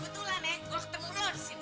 kebetulan ya gue ketemu lo di sini